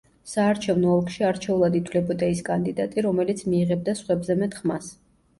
საარჩევნო ოლქში არჩეულად ითვლებოდა ის კანდიდატი, რომელიც მიიღებდა სხვებზე მეტ ხმას.